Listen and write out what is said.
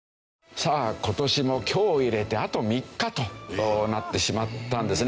さあ今年も今日を入れてあと３日となってしまったんですね。